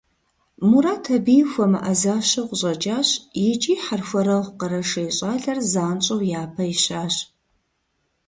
Мурат абыи хуэмыӏэзащэу къыщӏэкӏащ икӏи и хьэрхуэрэгъу къэрэшей щӏалэр занщӏэу япэ ищащ.